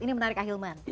ini menarik ah hilman